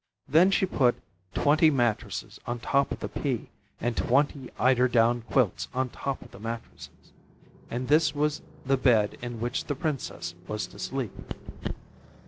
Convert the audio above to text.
Then she put twenty mattresses on top of the pea, and twenty eider down quilts on the top of the mattresses. And this was the bed in which the Princess was to sleep.